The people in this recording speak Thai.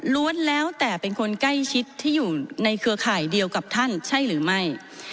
้วนแล้วแต่เป็นคนใกล้ชิดที่อยู่ในเครือข่ายเดียวกับท่านใช่หรือไม่